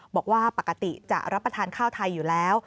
บอกว่าปกติจะรับประทานข้าวไทยอยู่แล้ว